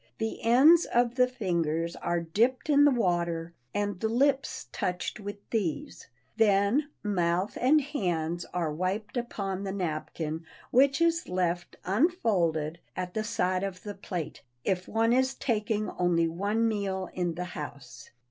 The ends of the fingers are dipped in the water, and the lips touched with these; then mouth and hands are wiped upon the napkin which is left, unfolded, at the side of the plate, if one is taking only one meal in the house.